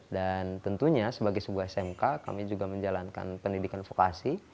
dan tentunya sebagai sebuah smk kami juga menjalankan pendidikan vokasi